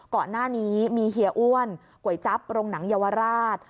ก่อนหน้านี้มีเฮียอ้วนก๋วยจั๊บโรงหนังเยาวราช